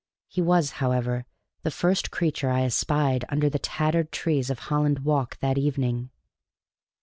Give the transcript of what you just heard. He was, however, the first creature I espied under the tattered trees of Holland Walk that evening.